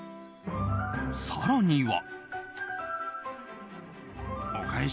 更には。